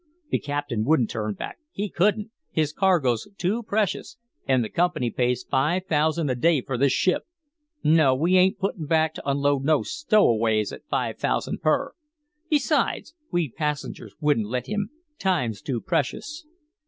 The captain wouldn't turn back he couldn't his cargo's too precious and the company pays five thousand a day for this ship. No, we ain't puttin' back to unload no stowaways at five thousand per. Besides, we passengers wouldn't let him time's too precious."